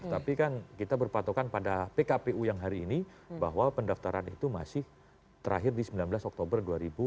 tapi kan kita berpatokan pada pkpu yang hari ini bahwa pendaftaran itu masih terakhir di sembilan belas oktober dua ribu dua puluh